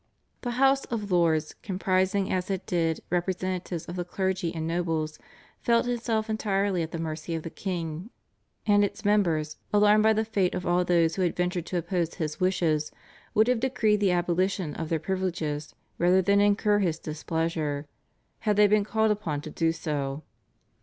The House of Lords, comprising as it did representatives of the clergy and nobles, felt itself entirely at the mercy of the king, and its members, alarmed by the fate of all those who had ventured to oppose his wishes, would have decreed the abolition of their privileges rather than incur his displeasure, had they been called upon to do so.